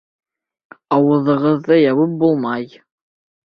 Ауыҙығыҙҙы ябып булмай!